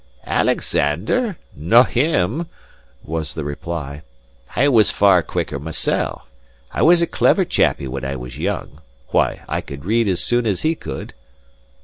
"Alexander? No him!" was the reply. "I was far quicker mysel'; I was a clever chappie when I was young. Why, I could read as soon as he could."